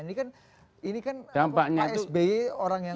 ini kan ini kan pak sby orang yang